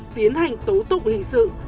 tiến hành tố tục hình sự